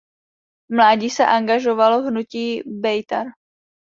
V mládí se angažoval v hnutí Bejtar.